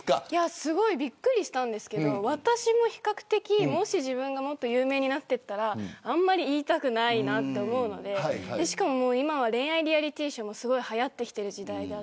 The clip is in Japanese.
すごいびっくりしたんですけど私も比較的もし自分が有名になっていったらあんまり言いたくないなと思うのでしかも、今は恋愛リアリティーショーもはやっているので。